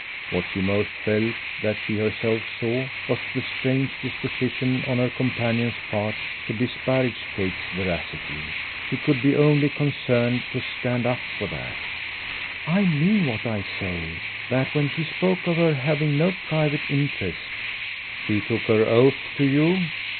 What she most felt that she herself saw was the strange disposition on her companion's part to disparage Kate's veracity. She could be only concerned to "stand up" for that. "I mean what I say: that when she spoke of her having no private interest " "She took her oath to you?"